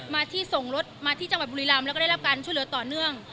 ที่ส่งรถมาที่จังหวัดบุรีรำแล้วก็ได้รับการช่วยเหลือต่อเนื่อง